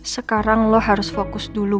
sekarang lo harus fokus dulu